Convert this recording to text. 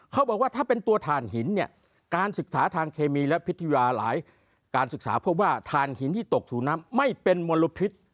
เขาบอกว่าถ้าเป็นตัวถ่านหินเนี่ยการศึกษาทางเคมีและพิทยาหลายการศึกษาพบว่าถ่านหินที่ตกสู่น้ำไม่เป็นมลพิษ